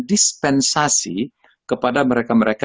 dispensasi kepada mereka mereka